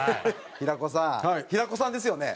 平子さん平子さんですよね？